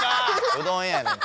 うどんやねん。